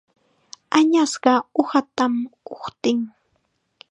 Añasqa uqatam uqtin.